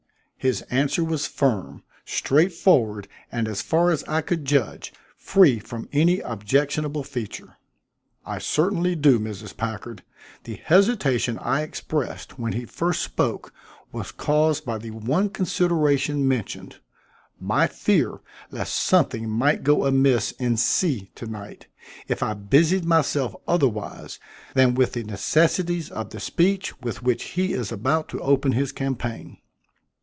His answer was firm, straightforward, and, as far as I could judge, free from any objectionable feature. "I certainly do, Mrs. Packard. The hesitation I expressed when he first spoke was caused by the one consideration mentioned, my fear lest something might go amiss in C to night if I busied myself otherwise than with the necessities of the speech with which he is about to open his campaign."